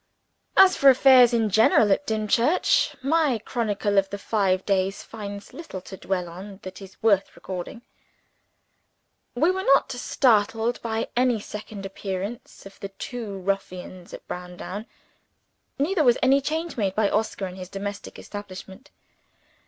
As for affairs in general at Dimchurch, my chronicle of the five days finds little to dwell on that is worth recording. We were not startled by any second appearance of the two ruffians at Browndown neither was any change made by Oscar in his domestic establishment.